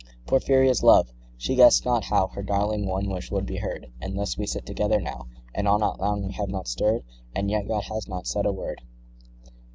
55 Porphyria's love: she guess'd not how Her darling one wish would be heard. And thus we sit together now, And all night long we have not stirr'd, And yet God has not said a word!